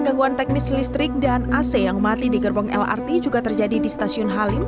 gangguan teknis listrik dan ac yang mati di gerbong lrt juga terjadi di stasiun halim